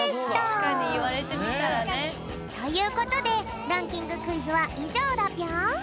たしかに。ということでランキングクイズはいじょうだぴょん。